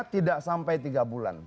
tidak sampai tiga bulan